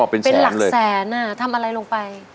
เป็นหลักแสนทำอะไรลงไป